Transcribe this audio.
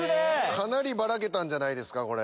かなりバラけたんじゃないですかこれ。